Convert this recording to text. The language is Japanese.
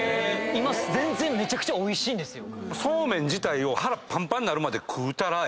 全然めちゃくちゃおいしいんですよ。